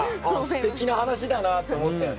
すてきな話だなって思ったよね。